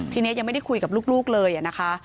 ทีนี้ยังไม่ได้คุยกับลูกเลยนะคะ